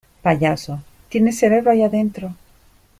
Payaso, ¿ tienes cerebro ahí dentro?